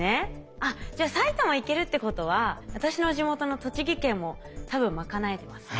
あっじゃあ埼玉いけるってことは私の地元の栃木県も多分賄えてますね。